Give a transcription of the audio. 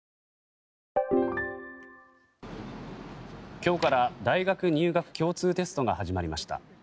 今日から大学入学共通テストが始まりました。